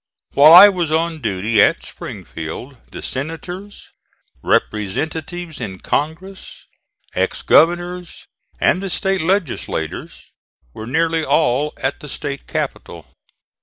While I was on duty at Springfield the senators, representatives in Congress, ax governors and the State legislators were nearly all at the State capital.